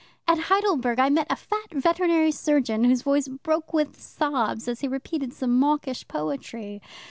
At Heidelberg I met a fat veterinary surgeon whose voice broke with sobs as he repeated some mawkish poetry.